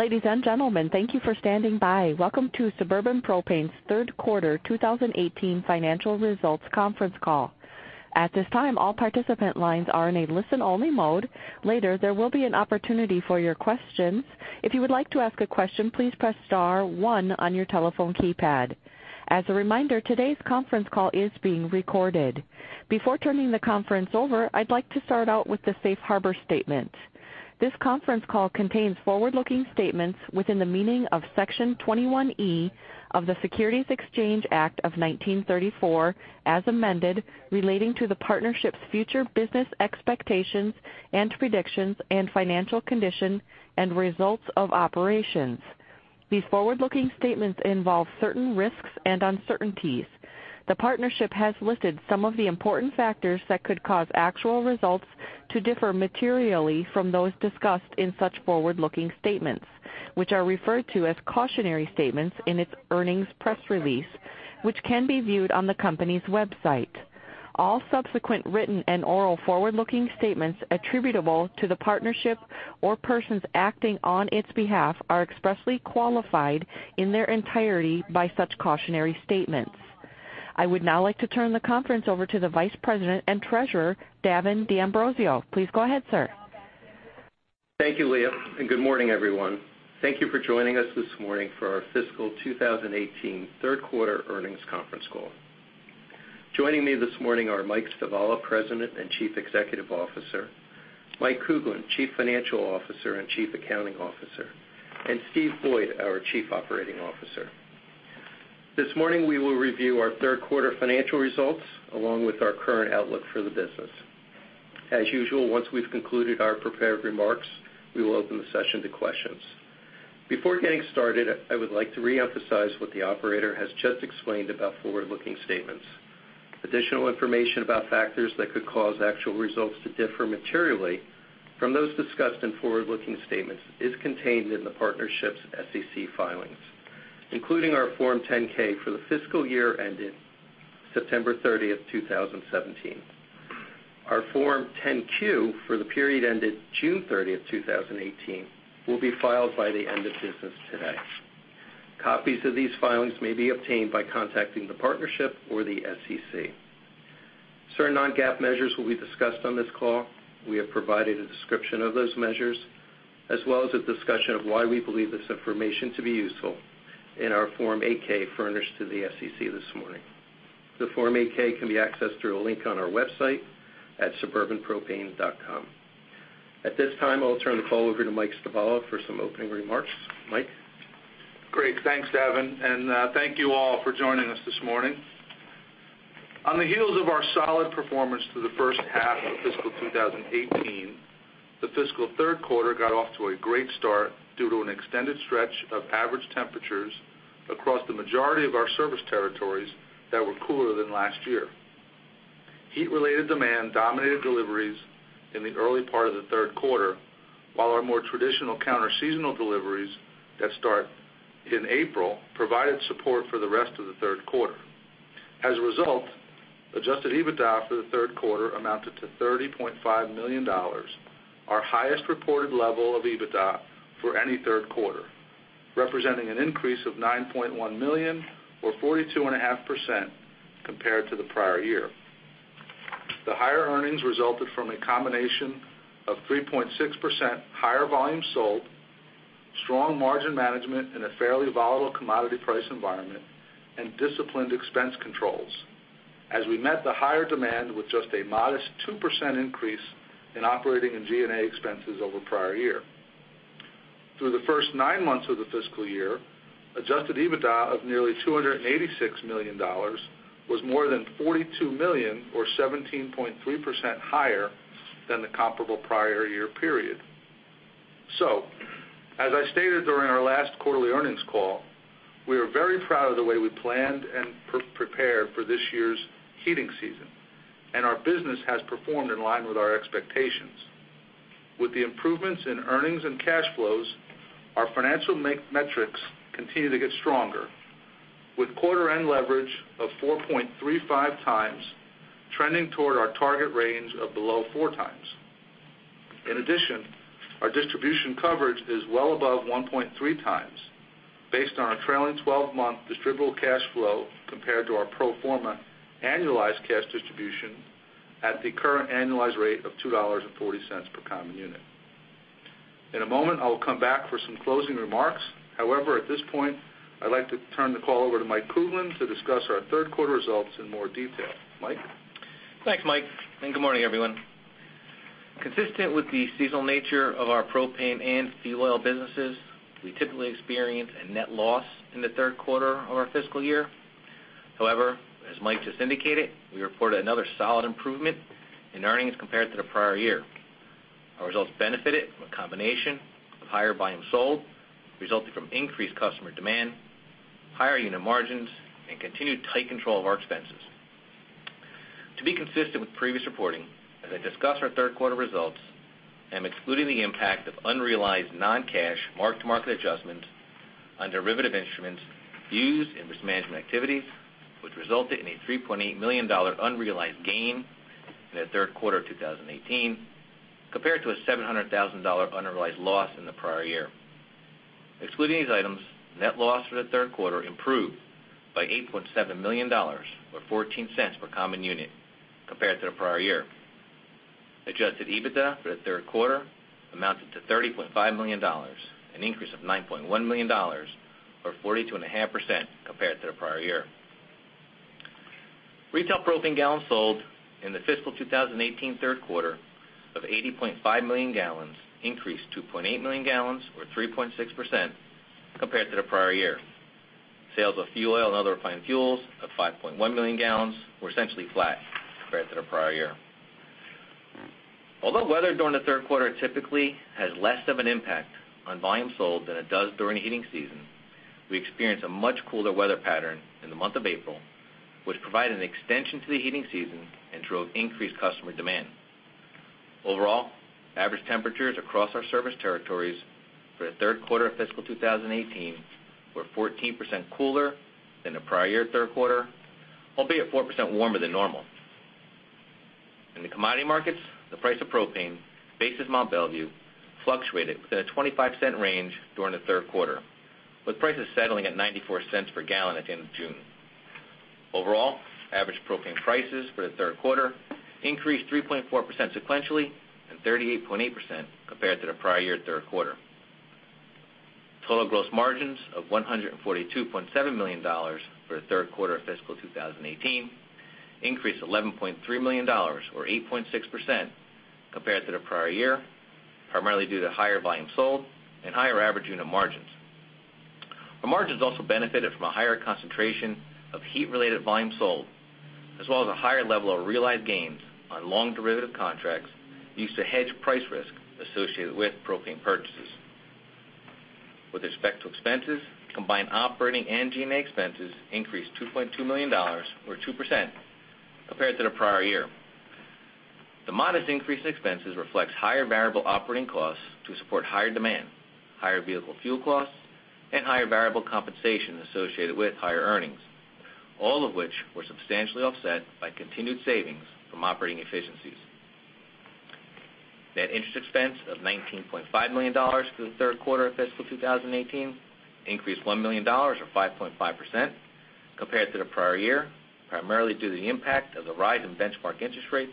Ladies and gentlemen, thank you for standing by. Welcome to Suburban Propane's third quarter 2018 financial results conference call. At this time, all participant lines are in a listen-only mode. Later, there will be an opportunity for your questions. If you would like to ask a question, please press star one on your telephone keypad. As a reminder, today's conference call is being recorded. Before turning the conference over, I'd like to start out with the safe harbor statement. This conference call contains forward-looking statements within the meaning of Section 21E of the Securities Exchange Act of 1934, as amended, relating to the partnership's future business expectations and predictions and financial condition and results of operations. These forward-looking statements involve certain risks and uncertainties. The partnership has listed some of the important factors that could cause actual results to differ materially from those discussed in such forward-looking statements, which are referred to as cautionary statements in its earnings press release, which can be viewed on the company's website. All subsequent written and oral forward-looking statements attributable to the partnership or persons acting on its behalf are expressly qualified in their entirety by such cautionary statements. I would now like to turn the conference over to the Vice President and Treasurer, Davin D'Ambrosio. Please go ahead, sir. Thank you, Leah, and good morning, everyone. Thank you for joining us this morning for our fiscal 2018 third-quarter earnings conference call. Joining me this morning are Mike Stivala, President and Chief Executive Officer; Mike Kuglin, Chief Financial Officer and Chief Accounting Officer; and Steve Boyd, our Chief Operating Officer. This morning, we will review our third-quarter financial results, along with our current outlook for the business. As usual, once we've concluded our prepared remarks, we will open the session to questions. Before getting started, I would like to reemphasize what the operator has just explained about forward-looking statements. Additional information about factors that could cause actual results to differ materially from those discussed in forward-looking statements is contained in the partnership's SEC filings, including our Form 10-K for the fiscal year ended September 30th, 2017. Our Form 10-Q for the period ended June 30th, 2018, will be filed by the end of business today. Copies of these filings may be obtained by contacting the partnership or the SEC. Certain non-GAAP measures will be discussed on this call. We have provided a description of those measures, as well as a discussion of why we believe this information to be useful in our Form 8-K furnished to the SEC this morning. The Form 8-K can be accessed through a link on our website at suburbanpropane.com. At this time, I'll turn the call over to Mike Stivala for some opening remarks. Mike? Great. Thanks, Davin, and thank you all for joining us this morning. On the heels of our solid performance through the first half of fiscal 2018, the fiscal third quarter got off to a great start due to an extended stretch of average temperatures across the majority of our service territories that were cooler than last year. Heat-related demand dominated deliveries in the early part of the third quarter, while our more traditional counter-seasonal deliveries that start in April provided support for the rest of the third quarter. As a result, adjusted EBITDA for the third quarter amounted to $30.5 million, our highest reported level of EBITDA for any third quarter, representing an increase of $9.1 million or 42.5% compared to the prior year. The higher earnings resulted from a combination of 3.6% higher volume sold, strong margin management in a fairly volatile commodity price environment, and disciplined expense controls as we met the higher demand with just a modest 2% increase in operating and G&A expenses over the prior year. Through the first nine months of the fiscal year, adjusted EBITDA of nearly $286 million was more than $42 million or 17.3% higher than the comparable prior year period. As I stated during our last quarterly earnings call, we are very proud of the way we planned and prepared for this year's heating season, and our business has performed in line with our expectations. With the improvements in earnings and cash flows, our financial metrics continue to get stronger, with quarter-end leverage of 4.35 times, trending toward our target range of below four times. Our distribution coverage is well above 1.3 times, based on a trailing 12-month distributable cash flow compared to our pro forma annualized cash distribution at the current annualized rate of $2.40 per common unit. In a moment, I will come back for some closing remarks. At this point, I'd like to turn the call over to Mike Kuglin to discuss our third quarter results in more detail. Mike? Thanks, Mike, and good morning, everyone. Consistent with the seasonal nature of our propane and fuel oil businesses, we typically experience a net loss in the third quarter of our fiscal year. As Mike just indicated, we reported another solid improvement in earnings compared to the prior year. Our results benefited from a combination of higher volume sold, resulting from increased customer demand, higher unit margins, and continued tight control of our expenses. To be consistent with previous reporting, as I discuss our third quarter results, I'm excluding the impact of unrealized non-cash mark-to-market adjustments on derivative instruments used in risk management activities, which resulted in a $3.8 million unrealized gain in the third quarter of 2018 compared to a $700,000 unrealized loss in the prior year. Excluding these items, net loss for the third quarter improved by $8.7 million, or $0.14 per common unit compared to the prior year. Adjusted EBITDA for the third quarter amounted to $30.5 million, an increase of $9.1 million, or 42.5% compared to the prior year. Retail propane gallons sold in the fiscal 2018 third quarter of 80.5 million gallons increased 2.8 million gallons or 3.6% compared to the prior year. Sales of fuel oil and other refined fuels of 5.1 million gallons were essentially flat compared to the prior year. Although weather during the third quarter typically has less of an impact on volume sold than it does during the heating season, we experienced a much cooler weather pattern in the month of April, which provided an extension to the heating season and drove increased customer demand. Average temperatures across our service territories for the third quarter of fiscal 2018 were 14% cooler than the prior year third quarter, albeit 4% warmer than normal. In the commodity markets, the price of propane, basis Mont Belvieu, fluctuated within a $0.25 range during the third quarter, with prices settling at $0.94 per gallon at the end of June. Average propane prices for the third quarter increased 3.4% sequentially and 38.8% compared to the prior year third quarter. Total gross margins of $142.7 million for the third quarter of fiscal 2018 increased $11.3 million or 8.6% compared to the prior year, primarily due to higher volume sold and higher average unit margins. Our margins also benefited from a higher concentration of heat-related volume sold, as well as a higher level of realized gains on long derivative contracts used to hedge price risk associated with propane purchases. With respect to expenses, combined operating and G&A expenses increased $2.2 million or 2% compared to the prior year. The modest increase in expenses reflects higher variable operating costs to support higher demand, higher vehicle fuel costs, and higher variable compensation associated with higher earnings, all of which were substantially offset by continued savings from operating efficiencies. Net interest expense of $19.5 million for the third quarter of fiscal 2018 increased $1 million or 5.5% compared to the prior year, primarily due to the impact of the rise in benchmark interest rates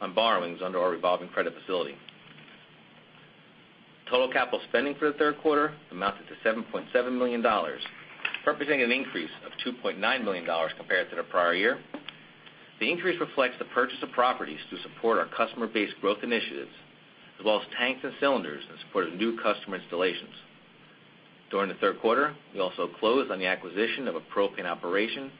on borrowings under our revolving credit facility. Total capital spending for the third quarter amounted to $7.7 million, representing an increase of $2.9 million compared to the prior year. The increase reflects the purchase of properties to support our customer base growth initiatives, as well as tanks and cylinders in support of new customer installations. During the third quarter, we also closed on the acquisition of a propane operation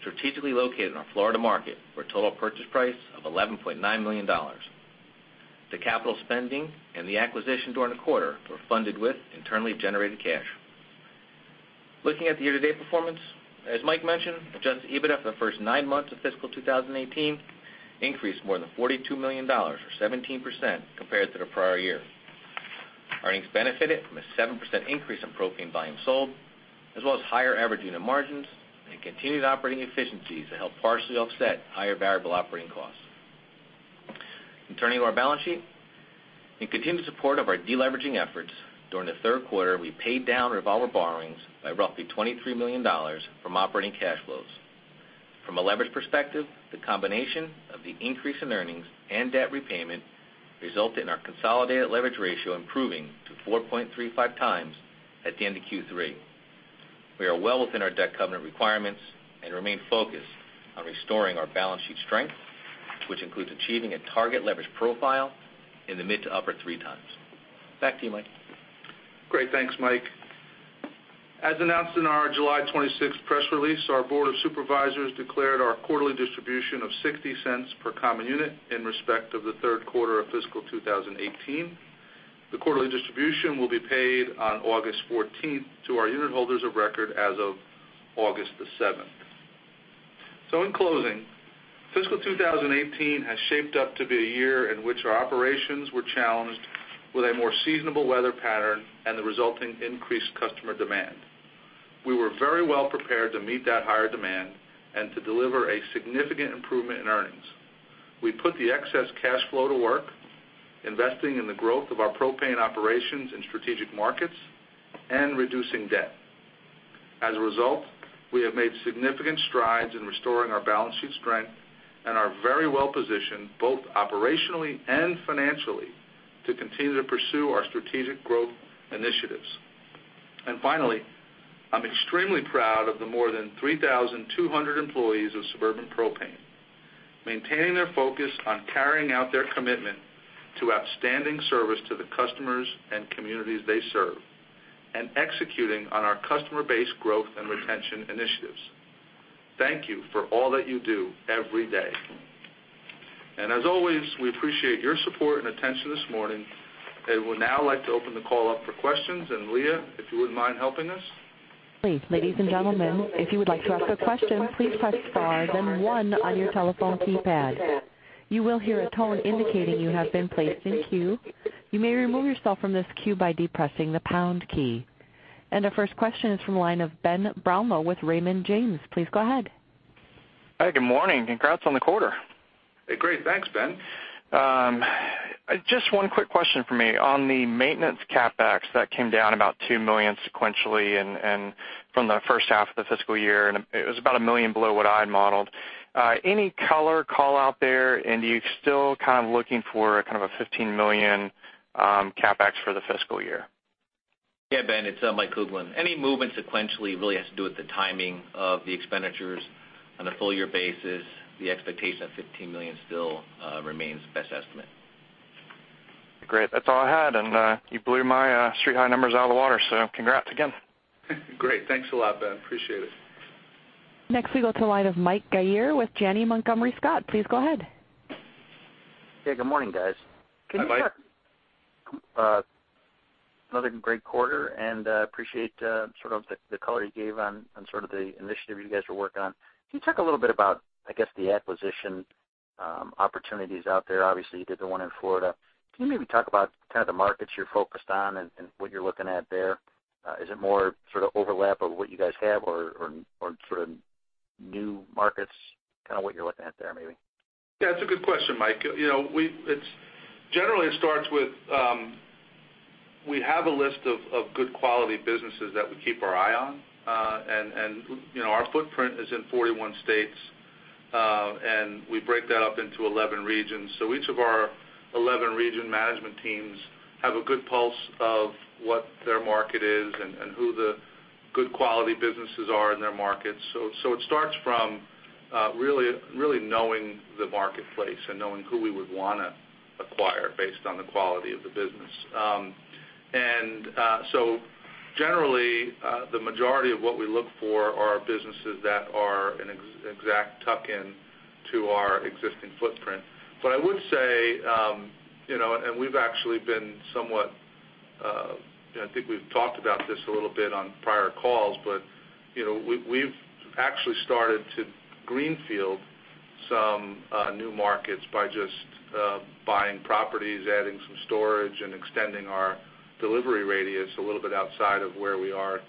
strategically located in our Florida market for a total purchase price of $11.9 million. The capital spending and the acquisition during the quarter were funded with internally generated cash. Looking at the year-to-date performance, as Mike mentioned, adjusted EBITDA for the first nine months of fiscal 2018 increased more than $42 million or 17% compared to the prior year. Earnings benefited from a 7% increase in propane volume sold, as well as higher average unit margins and continued operating efficiencies to help partially offset higher variable operating costs. Turning to our balance sheet. In continued support of our deleveraging efforts, during the third quarter, we paid down revolver borrowings by roughly $23 million from operating cash flows. From a leverage perspective, the combination of the increase in earnings and debt repayment resulted in our consolidated leverage ratio improving to 4.35 times at the end of Q3. We are well within our debt covenant requirements and remain focused on restoring our balance sheet strength, which includes achieving a target leverage profile in the mid to upper three times. Back to you, Mike. Great. Thanks, Mike. As announced in our July 26th press release, our board of supervisors declared our quarterly distribution of $0.60 per common unit in respect of the third quarter of fiscal 2018. The quarterly distribution will be paid on August 14th to our unit holders of record as of August the 7th. In closing, fiscal 2018 has shaped up to be a year in which our operations were challenged with a more seasonable weather pattern and the resulting increased customer demand. We were very well prepared to meet that higher demand and to deliver a significant improvement in earnings. We put the excess cash flow to work, investing in the growth of our propane operations in strategic markets and reducing debt. As a result, we have made significant strides in restoring our balance sheet strength and are very well positioned, both operationally and financially, to continue to pursue our strategic growth initiatives. Finally, I'm extremely proud of the more than 3,200 employees of Suburban Propane, maintaining their focus on carrying out their commitment to outstanding service to the customers and communities they serve, and executing on our customer base growth and retention initiatives. Thank you for all that you do every day. As always, we appreciate your support and attention this morning and would now like to open the call up for questions. Leah, if you wouldn't mind helping us? Great. Ladies and gentlemen, if you would like to ask a question, please press star then one on your telephone keypad. You will hear a tone indicating you have been placed in queue. You may remove yourself from this queue by depressing the pound key. Our first question is from the line of Ben Brownlow with Raymond James. Please go ahead. Hi, good morning, congrats on the quarter. Hey, great. Thanks, Ben. Just one quick question from me. On the maintenance CapEx, that came down about $2 million sequentially and from the first half of the fiscal year, and it was about $1 million below what I had modeled. Any color call-out there, and you're still kind of looking for kind of a $15 million CapEx for the fiscal year? Yeah, Ben, it's Mike Kuglin. Any movement sequentially really has to do with the timing of the expenditures on a full-year basis. The expectation of $15 million still remains best estimate. Great. That's all I had, and you blew my Street High numbers out of the water. Congrats again. Great. Thanks a lot, Ben. Appreciate it. Next we go to the line of Mike Gaier with Janney Montgomery Scott. Please go ahead. Hey, good morning, guys. Hi, Mike. Another great quarter, appreciate sort of the color you gave on sort of the initiative you guys are working on. Can you talk a little bit about, I guess, the acquisition opportunities out there? Obviously, you did the one in Florida. Can you maybe talk about kind of the markets you're focused on and what you're looking at there? Is it more sort of overlap of what you guys have or sort of new markets, kind of what you're looking at there, maybe? Yeah, it's a good question, Mike. Generally it starts with, we have a list of good quality businesses that we keep our eye on. Our footprint is in 41 states, we break that up into 11 regions. Each of our 11 region management teams have a good pulse of what their market is and who the good quality businesses are in their markets. It starts from really knowing the marketplace and knowing who we would want to acquire based on the quality of the business. Generally, the majority of what we look for are businesses that are an exact tuck-in to our existing footprint. I would say, we've actually been I think we've talked about this a little bit on prior calls, we've actually started to greenfield some new markets by just buying properties, adding some storage, and extending our delivery radius a little bit outside of where we are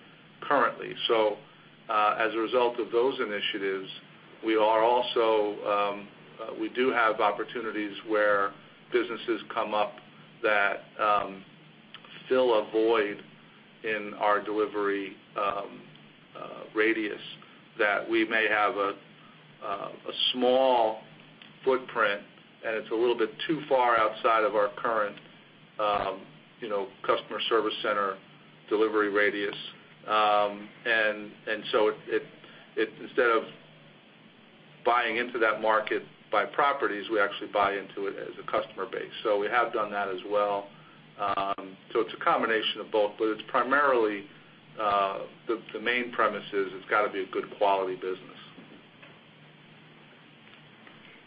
currently. As a result of those initiatives, we do have opportunities where businesses come up that fill a void in our delivery radius that we may have a small footprint, and it's a little bit too far outside of our current customer service center delivery radius. Instead of buying into that market by properties, we actually buy into it as a customer base. We have done that as well. It's a combination of both, it's primarily the main premise is it's got to be a good quality business.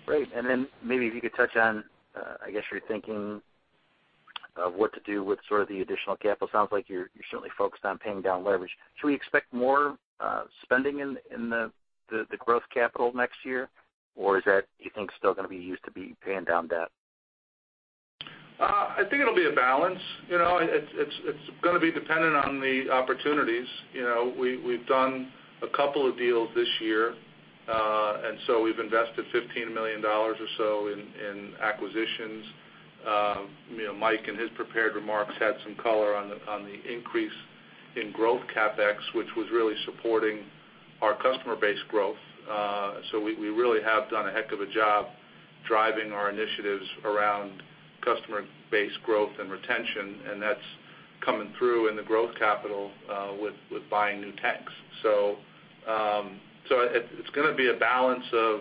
Great. Maybe if you could touch on, I guess, your thinking of what to do with sort of the additional capital. Sounds like you're certainly focused on paying down leverage. Should we expect more spending in the growth capital next year, or is that, you think, still going to be used to be paying down debt? I think it'll be a balance. It's going to be dependent on the opportunities. We've done a couple of deals this year. We've invested $15 million or so in acquisitions. Mike in his prepared remarks, had some color on the increase in growth CapEx, which was really supporting our customer base growth. We really have done a heck of a job driving our initiatives around customer base growth and retention, and that's coming through in the growth capital with buying new techs. It's going to be a balance of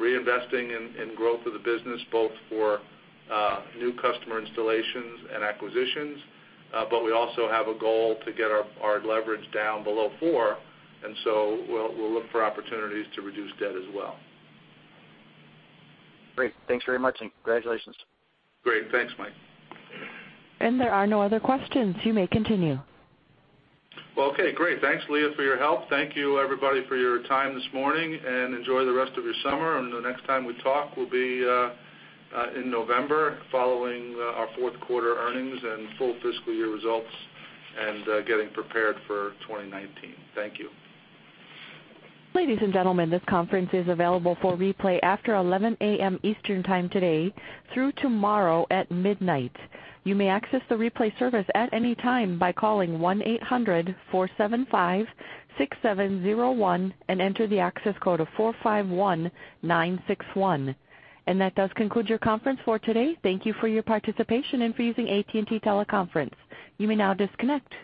reinvesting in growth of the business, both for new customer installations and acquisitions. We also have a goal to get our leverage down below four, we'll look for opportunities to reduce debt as well. Great. Thanks very much, and congratulations. Great. Thanks, Mike. There are no other questions. You may continue. Well, okay. Great. Thanks, Leah, for your help. Thank you, everybody, for your time this morning, and enjoy the rest of your summer. The next time we talk will be in November following our fourth quarter earnings and full fiscal year results and getting prepared for 2019. Thank you. Ladies and gentlemen, this conference is available for replay after 11:00 A.M. Eastern Time today through tomorrow at midnight. You may access the replay service at any time by calling 1-800-475-6701 and enter the access code of 451961. That does conclude your conference for today. Thank you for your participation and for using AT&T Teleconference. You may now disconnect.